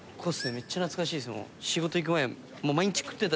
めっちゃ懐かしいっすもん。